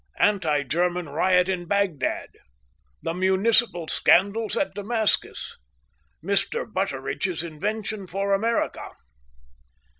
ANTI GERMAN RIOT IN BAGDAD. THE MUNICIPAL SCANDALS AT DAMASCUS. MR. BUTTERIDGE'S INVENTION FOR AMERICA.